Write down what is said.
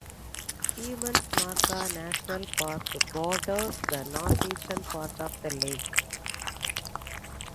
Femundsmarka National Park borders the northeastern part of the lake.